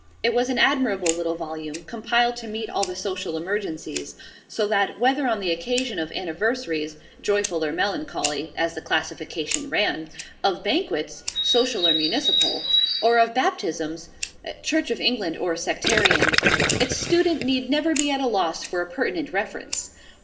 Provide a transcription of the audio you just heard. It was an admirable little volume, compiled to meet all the social emergencies; so that, whether on the occasion of Anniversaries, joyful or melancholy (as the classification ran), of Banquets, social or municipal, or of Baptisms, Church of England or sectarian, its student need never be at a loss for a pertinent reference.